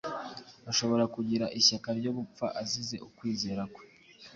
ashobora kugira ishyaka ryo gupfa azize ukwizera kwe,